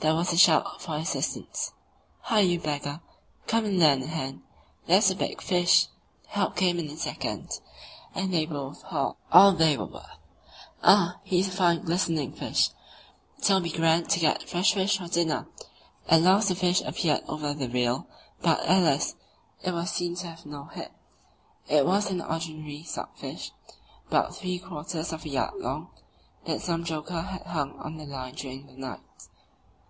There was a shout for assistance. "Hi, you beggar! come and lend a hand; there's a big fish!" Help came in a second, and they both hauled for all they were worth. "Ah! he's a fine, glistening fish; it'll be grand to get fresh fish for dinner!" At last the fish appeared over the rail; but, alas! it was seen to have no head. It was an ordinary stockfish, about three quarters of a yard long, that some joker had hung on the line during the night.